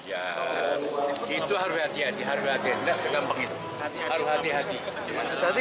jadi saya rasa jangan tergesa gesa